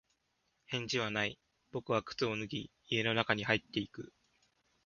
返事はない。僕は靴を脱ぎ、家の中に入っていく。